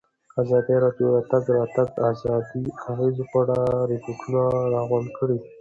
ازادي راډیو د د تګ راتګ ازادي د اغېزو په اړه ریپوټونه راغونډ کړي.